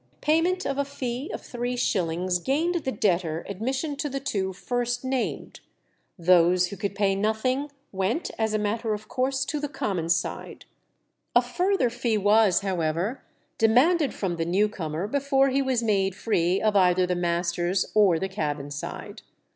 Payment of a fee of 3_s._ gained the debtor admission to the two first named; those who could pay nothing went, as a matter of course, to the common side; a further fee was, however, demanded from the new comer before he was made free of either the master's or the cabin side.